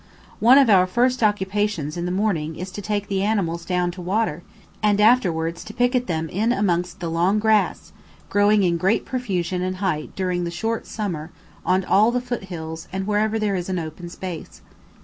One of our first occupations in the morning is to take the animals down to water, and afterwards to picket them in amongst the long grass, growing in great profusion and height during the short summer on all the foot hills and wherever there is an open space.